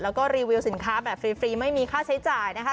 แล้วก็รีวิวสินค้าแบบฟรีไม่มีค่าใช้จ่ายนะคะ